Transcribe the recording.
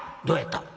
「どうやった？」。